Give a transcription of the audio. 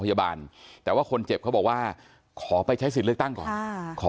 พยาบาลแต่ว่าคนเจ็บเขาบอกว่าขอไปใช้สิทธิ์เลือกตั้งก่อนขอ